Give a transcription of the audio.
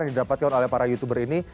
yang didapatkan oleh para youtuber ini